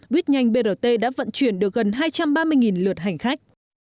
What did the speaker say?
buýt nhanh brt đã vận chuyển được gần hai trăm ba mươi lượt hành khách